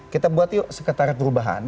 kita buat yuk sekretariat perubahan